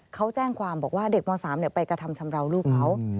เขาแจ้งความบอกว่าเด็กม๓ไปกระทำชำราวลูกเขา